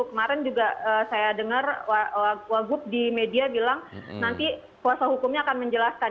kemarin juga saya dengar wagub di media bilang nanti kuasa hukumnya akan menjelaskan